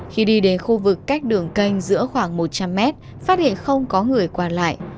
khi đi đến khu vực cách đường canh giữa khoảng một trăm linh mét phát hiện không có người qua lại